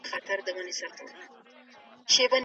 دوی د نړۍ له غوښتنو خبر دي.